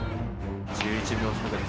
１１秒差です。